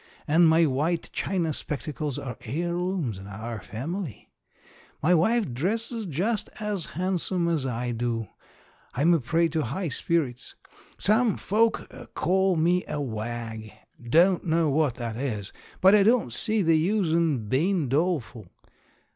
And my white china spectacles are heirlooms in our family. My wife dresses just as handsome as I do. I'm a prey to high spirits. Some folk call me a "wag." Don't know what that is, but I don't see the use in bein' doleful.